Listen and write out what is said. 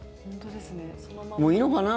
もういいのかな。